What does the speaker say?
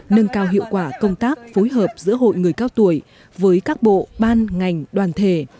nâng cao hiệu quả công tác phối hợp giữa hội người cao tuổi với các bộ ban ngành đoàn thể